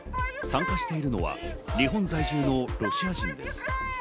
参加しているのは日本在住のロシア人です。